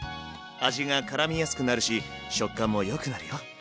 味がからみやすくなるし食感もよくなるよ。